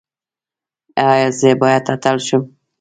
ایا زه باید اتل شم؟